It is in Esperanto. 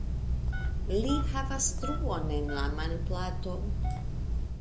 Li havas truon en la manplato.